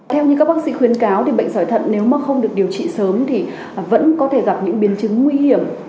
theo như các bác sĩ khuyến cáo thì bệnh sỏi thận nếu mà không được điều trị sớm thì vẫn có thể gặp những biến chứng nguy hiểm